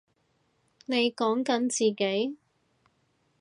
你講緊自己？